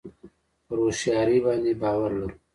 پر هوښیاري باندې باور لرو.